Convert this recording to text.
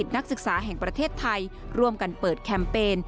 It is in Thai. นักศึกษาแห่งประเทศไทยร่วมกันเปิดแคมเปญ